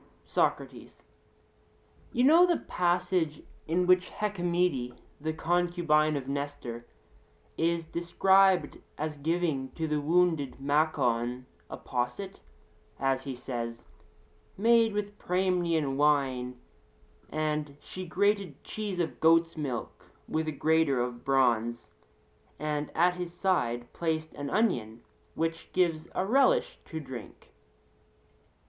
SOCRATES: You know the passage in which Hecamede, the concubine of Nestor, is described as giving to the wounded Machaon a posset, as he says, 'Made with Pramnian wine; and she grated cheese of goat's milk with a grater of bronze, and at his side placed an onion which gives a relish to drink (Il.).'